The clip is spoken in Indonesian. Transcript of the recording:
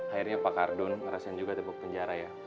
akhirnya pak ardun ngerasain juga tipe penjara ya